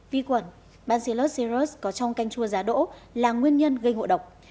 vi khuẩn bicidus cereus có trong canh chua giá đỗ là nguyên nhân gây ngộ độc